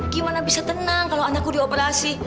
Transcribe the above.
gimana bisa tenang kalau anakku dioperasi